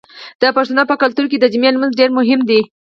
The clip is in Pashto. د پښتنو په کلتور کې د جمعې لمونځ ډیر مهم دی.